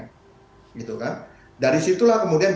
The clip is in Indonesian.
gitu kan dari situlah kemudian